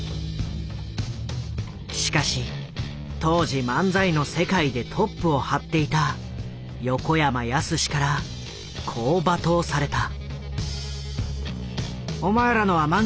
しかし当時漫才の世界でトップをはっていた横山やすしからこう罵倒された。